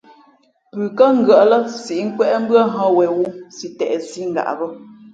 Pʉ kά ngʉ̄ᾱʼ lά síʼ nkwén mbʉ́ά hα wen wū si teʼsǐ ngaʼ bᾱ.